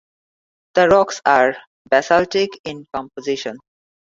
The rocks are basaltic in composition.